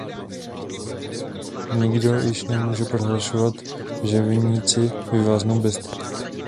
Nikdo již nemůže prohlašovat, že viníci vyváznou bez trestu.